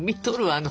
あの。